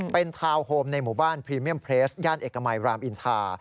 เป็นทาวน์โฮมในหมู่บ้านพรีเมียมเพลสย่านเอกมัยรามอินทา